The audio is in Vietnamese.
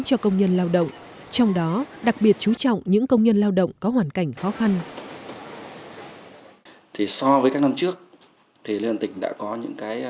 cho công nhân lao động trong đó đặc biệt chú trọng những công nhân lao động có hoàn cảnh khó khăn